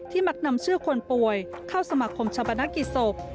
มักนำชื่อคนป่วยเข้าสมาคมชาปนกิจศพ